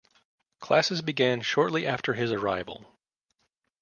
Classes began shortly after his arrival.